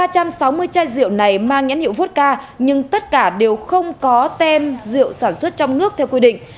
ba trăm sáu mươi chai rượu này mang nhãn hiệu votca nhưng tất cả đều không có tem rượu sản xuất trong nước theo quy định